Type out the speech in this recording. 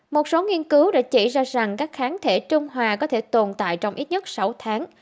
một số nghiên cứu đã chỉ ra rằng các kháng thể trung hòa có thể tồn tại trong ít nhất sáu tháng